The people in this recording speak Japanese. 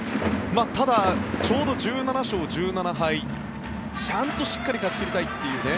ただ、ちょうど１７勝１７敗ちゃんとしっかり勝ち切りたいというね。